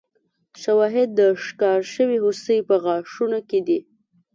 شواهد د ښکار شوې هوسۍ په غاښونو کې دي.